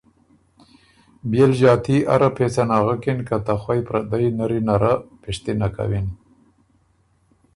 بيې ل ݫاتی اره پېڅه نغکِن که ته خوئ پردئ نری نره پِشتِنه کوِن